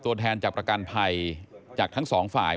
ตัวแทนจากประกันภัยจากทั้งสองฝ่าย